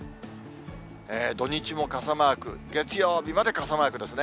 土日も傘マーク、月曜日まで傘マークですね。